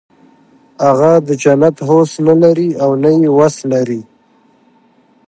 هغه د جنت هوس نه لري او نه یې وس لري